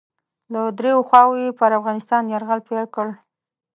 له دریو خواوو یې پر افغانستان یرغل پیل کړ.